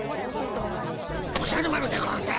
おじゃる丸でゴンス。